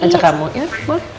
ajak kamu ya boleh